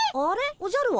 おじゃるは？